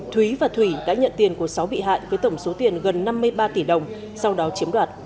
thúy và thủy đã nhận tiền của sáu bị hại với tổng số tiền gần năm mươi ba tỷ đồng sau đó chiếm đoạt